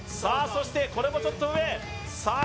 そしてこれもちょっと上さあ